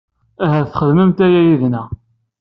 Ahat txedmemt aya yid-nneɣ.